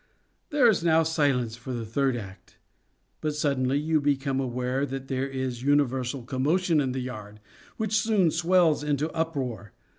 There is now silence for the third act. But suddenly you become aware that there is universal commotion in the yard, which soon swells into uproar.